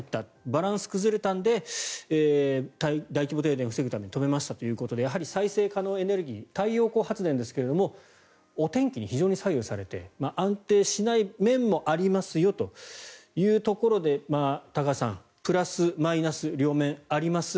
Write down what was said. バランスが崩れたので大規模停電を防ぐために止めましたということで再生可能エネルギー太陽光発電ですがお天気に非常に左右されて安定しない面もありますよというところで高橋さん、プラスマイナス両面あります。